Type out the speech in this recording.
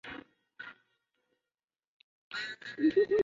鼻端裸露。